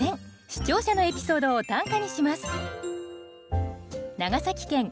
視聴者のエピソードを短歌にします。